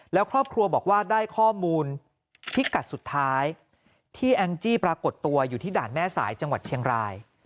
แล้วครอบครัวบอกว่าได้ข้อมูลพิกัดสุดท้ายที่แองจี้ปรากฏตัวอยู่ที่ด่านแม่สายจังหวัดเชียงราย